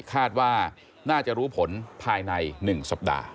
คาดว่าน่าจะรู้ผลภายใน๑สัปดาห์